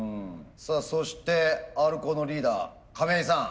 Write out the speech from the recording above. そしてＲコーのリーダー亀井さん。